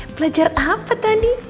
belajar apa tadi